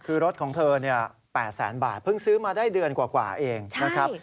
คือรถของเธอ๘แสนบาทเพิ่งซื้อมาได้เดือนกว่าเองนะครับ